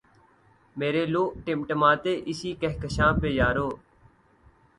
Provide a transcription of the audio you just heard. میری لؤ ٹمٹمائے اسی کہکشاں پہ یارو